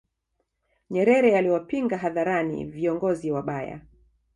nyerere aliwapinga hadharani viongozi wabaya